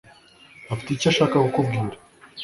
afite icyo ashaka kukubwira.